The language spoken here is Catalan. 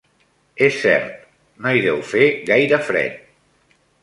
És cert, no hi deu fer gaire fred.